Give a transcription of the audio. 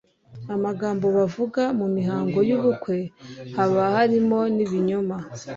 Amagambo bavuga mu mihango y'ubukwe haba harimo n' ibinyoma